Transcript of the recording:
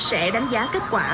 sẽ đánh giá kết quả